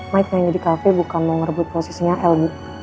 mike yang nyanyi di cafe bukan mau ngerebut posisinya el